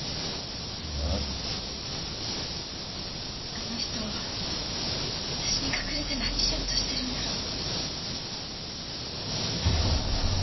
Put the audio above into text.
あの人あたしに隠れて何しようとしてるんだろう？